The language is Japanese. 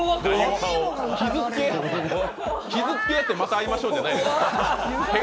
傷つけ合ってまた会いましょうじゃないです。